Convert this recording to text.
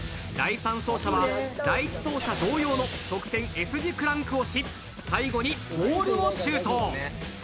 ［第３走者は第１走者同様の直線Ｓ字クランクをし最後にボールをシュート］